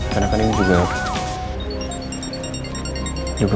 karena kan ini juga